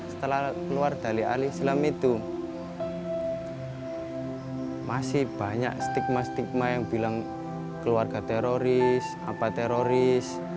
setelah keluar dari ahli silam itu masih banyak stigma stigma yang bilang keluarga teroris apa teroris